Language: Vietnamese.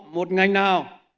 một ngành nào